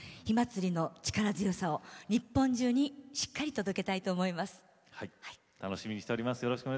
火祭りの力強さを日本中にしっかり届けたいと思います。